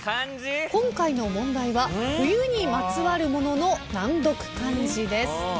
今回の問題は冬にまつわるものの難読漢字です。